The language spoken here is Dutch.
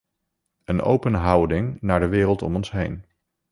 Een open houding naar de wereld om ons heen.